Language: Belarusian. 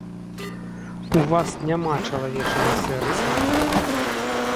У вас няма чалавечага сэрца.